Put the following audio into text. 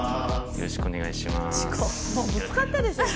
よろしくお願いします。